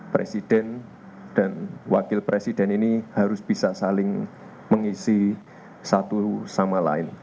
presiden dan wakil presiden ini harus bisa saling mengisi satu sama lain